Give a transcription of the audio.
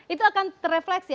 itu akan terefleksi